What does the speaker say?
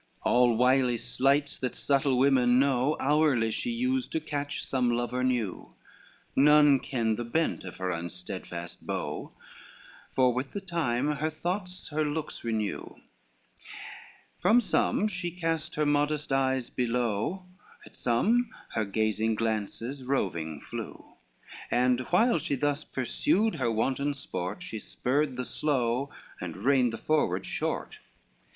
LXXXVII All wily sleights that subtle women know, Hourly she used, to catch some lover new. None kenned the bent of her unsteadfast bow, For with the time her thoughts her looks renew, From some she cast her modest eyes below, At some her gazing glances roving flew, And while she thus pursued her wanton sport, She spurred the slow, and reined the forward short.